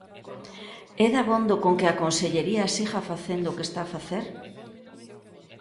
¿É dabondo con que a Consellería siga facendo o que está a facer?